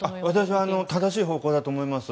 私は正しい方向だと思います。